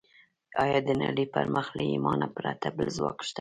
ايا د نړۍ پر مخ له ايمانه پرته بل ځواک شته؟